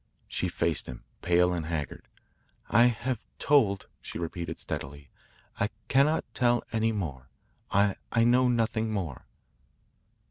She faced him, pale and haggard. "I have told," she repeated steadily. "I cannot tell any more I know nothing more."